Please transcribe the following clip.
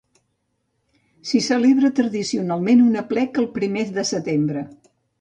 S'hi celebra tradicionalment un aplec el primer de setembre.